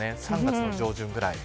３月の上旬くらい。